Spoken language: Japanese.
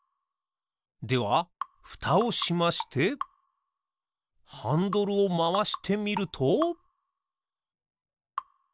ではふたをしましてハンドルをまわしてみると。